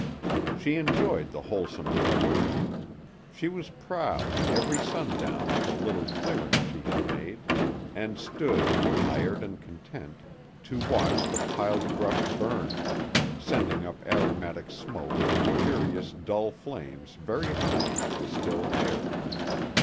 She enjoyed the wholesome drudgery. She was proud every sundown of the little clearing she had made, and stood, tired and content, to watch the piled brush burn, sending up aromatic smoke and curious, dull flames very high into the still air.